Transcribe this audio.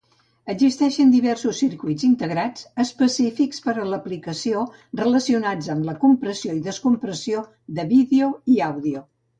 Existeixen diversos circuits integrats específics per a l'aplicació relacionats amb la compressió i descompressió de vídeo i àudio.